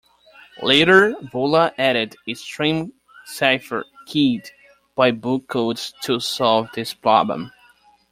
Later Vula added a stream cipher keyed by book codes to solve this problem.